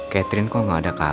ketemu sama mama